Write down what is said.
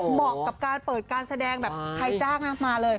เหมาะกับการเปิดการแสดงแบบใครจ้างนะมาเลย